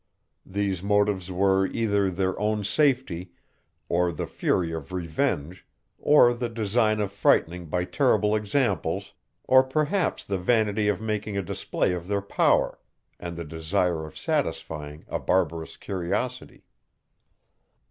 These motives were, either their own safety, or the fury of revenge, or the design of frightening by terrible examples, or perhaps the vanity of making a display of their power, and the desire of satisfying a barbarous curiosity.